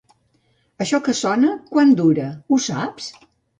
Això que sona quant dura ho saps?